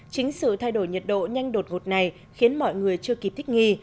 chính sự thay đổi nhiệt độ nhanh đột ngột này khiến mọi người chưa kịp thích nghi